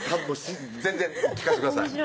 全然聞かせてください